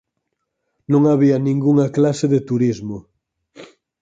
Non había ningunha clase de turismo.